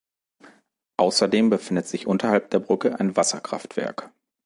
Außerdem befindet sich unterhalb der Brücke ein Wasserkraftwerk.